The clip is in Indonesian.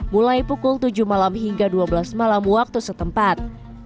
mulai pukul tujuh malam hingga dua belas malam waktu setempat